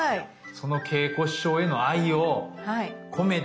その桂子師匠への愛を込めて